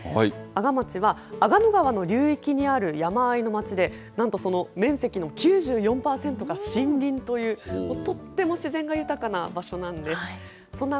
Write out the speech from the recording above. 阿賀町は阿賀野川の流域にある山あいの町で、なんとその面積の９４％が森林という、とっても自然が豊かな場所なんです。